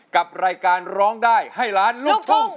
กับรายการร้องได้ให้ล้านลูกทุ่ง